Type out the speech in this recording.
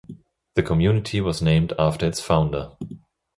The community was named after its founder.